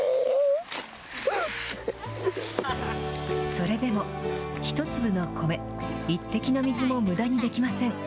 それでも１粒の米、１滴の水もむだにできません。